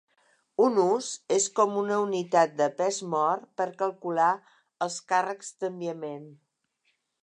Un ús és com a unitat de pes mort per calcular els càrrecs d'enviament.